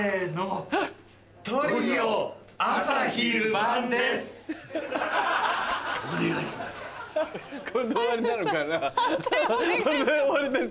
判定お願いします。